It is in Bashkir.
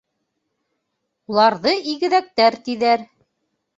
Уларҙы игеҙәктәр тиҙәр.